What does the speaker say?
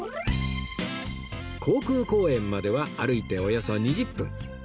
航空公園までは歩いておよそ２０分